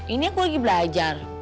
ini aku lagi belajar